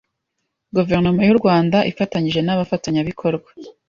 Guverinoma y’u Rwanda ifatanyije n’abafatanyabikorwa